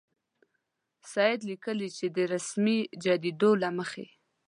سید لیکي چې د رسمي جریدو له مخې.